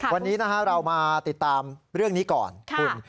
วันนี้เรามาติดตามเรื่องนี้ก่อนคุณ